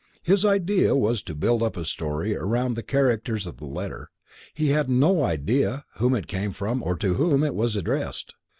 "His idea was to build up a story around the characters of the letter. He had no idea whom it came from or to whom it was addressed.